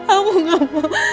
aku gak mau